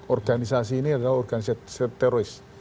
organisasi ini adalah organisasi teroris